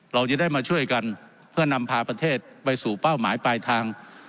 เราจะได้มาช่วยกันเพื่อนำพาประเทศไปสู่เป้าหมายปลายทาง